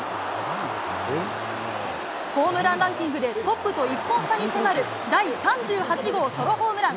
ホームランランキングでトップと１本差に迫る第３８号ソロホームラン！